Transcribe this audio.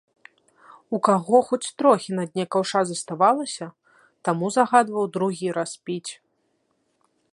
У каго хоць трохі на дне каўша заставалася, таму загадваў другі раз піць.